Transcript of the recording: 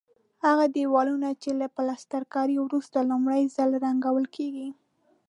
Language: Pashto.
هغه دېوالونه چې له پلسترکارۍ وروسته لومړی ځل رنګول کېږي.